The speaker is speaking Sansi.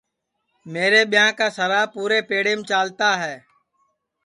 میرے ٻیاں کی سَرا پُورے چالتا ہے